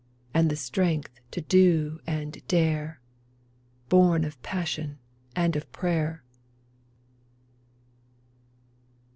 And the strength to do and dare — Born of passion and of prayer